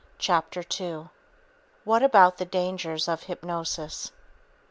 Chapter 2 What About the Dangers of Hypnosis?